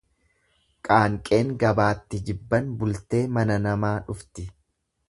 Qaanqeen gabaatti jibban bultee mana namaa dhufti.